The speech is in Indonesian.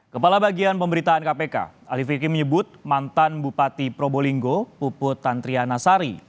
kepala bagian pemberitaan kpk ali fikri menyebut mantan bupati probolinggo puput tantriana sari